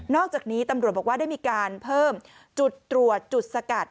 อกจากนี้ตำรวจบอกว่าได้มีการเพิ่มจุดตรวจจุดสกัด